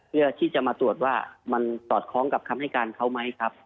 เพื่อที่จะมาตรวจว่ามันสอดคล้องกับคำให้การเขาไหมครับ